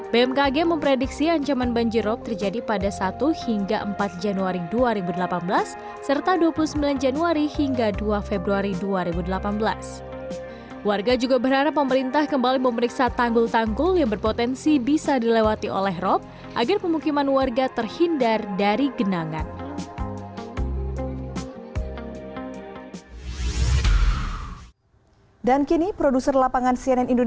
bmkg memprediksi ancaman banjirop terjadi pada satu hingga empat januari